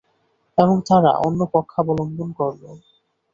এবং তারা অন্য পক্ষাবলম্বন করলো।